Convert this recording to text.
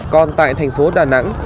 còn tại thành phố đà nẵng